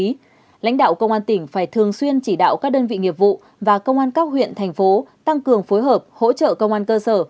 đồng thời lưu ý lãnh đạo công an tỉnh phải thường xuyên chỉ đạo các đơn vị nghiệp vụ và công an các huyện thành phố tăng cường phối hợp hỗ trợ công an cơ sở